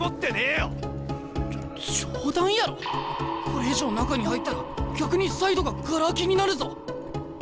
これ以上中に入ったら逆にサイドがガラ空きになるぞ。